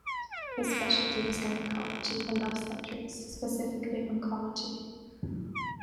His specialty was Gynecology and Obstetrics, specifically oncology.